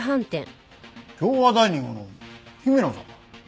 京和ダイニングの姫野さん？